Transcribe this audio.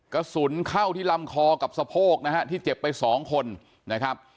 กระสุนเข้าที่ลำคอกับสะโพกนะฮะที่เจ็บไปสองคนนะครับ